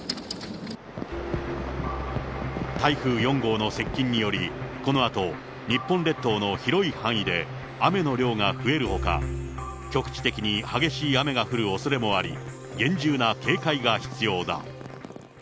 台風４号の接近により、このあと、日本列島の広い範囲で雨の量が増えるほか、局地的に激しい雨が降るおそれもあり、厳重な警戒が必要だ。